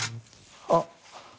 あっ。